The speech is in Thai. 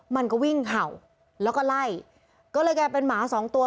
มันก็วิ่งเห่าแล้วก็ไล่ก็เลยกลายเป็นหมาสองตัว